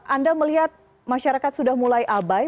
anda melihat masyarakat sudah mulai abai